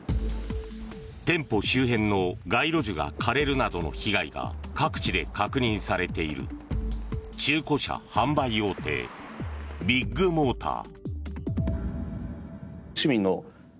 店舗周辺の街路樹が枯れるなどの被害が各地で確認されている中古車販売大手ビッグモーター。